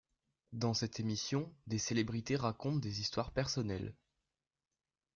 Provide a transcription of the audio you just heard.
Dans cette émission, des célébrités racontent des histoires personnelles.